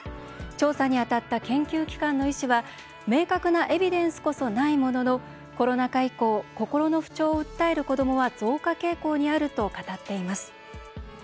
調査に当たった研究機関の医師は「明確なエビデンスこそないものの、コロナ禍以降心の不調を訴える子どもは増加傾向にある」と語っています。